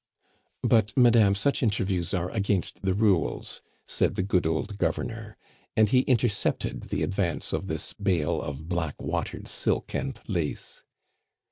"But, madame, such interviews are against the rules," said the good old Governor. And he intercepted the advance of this bale of black watered silk and lace.